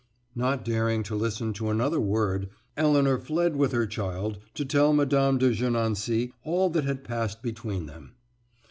Not daring to listen to another word, Elinor fled with her child to tell Mme. de Gernancé all that had passed between them.